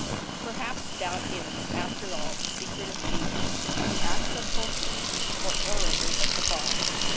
Perhaps doubt is, after all. the secret of genius— the axe of Pho cion — for orators at the bar.